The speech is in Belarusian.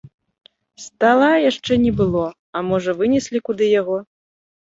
Стала яшчэ не было, а можа, вынеслі куды яго.